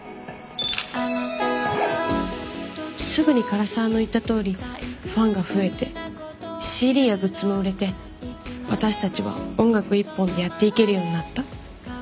すぐに唐澤の言ったとおりファンが増えてＣＤやグッズも売れて私たちは音楽一本でやっていけるようになった。